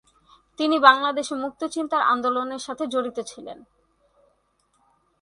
তিনি বাংলাদেশে মুক্তচিন্তার আন্দোলনের সাথে জড়িত ছিলেন।